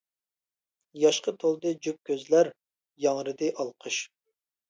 ياشقا تولدى جۈپ كۆزلەر، ياڭرىدى ئالقىش.